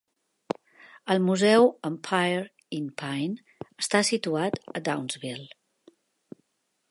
El Museu Empire in Pine està situat a Downsville.